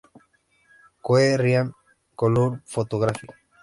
Coe, Brian "Colour Photography.